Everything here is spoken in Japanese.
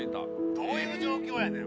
「どういう状況やねん？